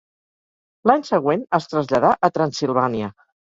L'any següent es traslladà a Transsilvània.